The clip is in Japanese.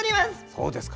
そうですか。